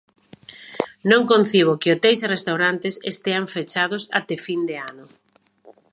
Non concibo que hoteis e restaurantes estean fechados até fin de ano.